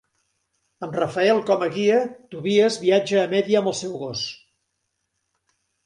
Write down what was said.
Amb Raphael com a guia, Tobias viatja a Media amb el seu gos.